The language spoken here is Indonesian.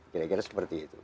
kira kira seperti itu